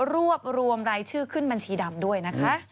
รวบรวมรายชื่อขึ้นบัญชีดำด้วยนะคะ